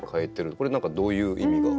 これ何かどういう意味が？